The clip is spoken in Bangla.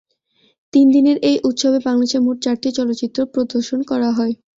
তিন দিনের এই উৎসবে বাংলাদেশের মোট চারটি চলচ্চিত্র প্রদর্শন করা হয়।